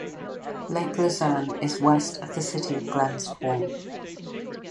Lake Luzerne is west of the city of Glens Falls.